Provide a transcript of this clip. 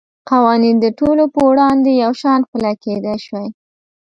قوانین د ټولو په وړاندې یو شان پلی کېدای شوای.